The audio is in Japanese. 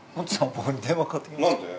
僕に電話かかってきました。